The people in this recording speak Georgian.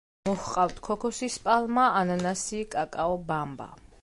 მოჰყავთ ქოქოსის პალმა, ანანასი, კაკაო, ბამბა.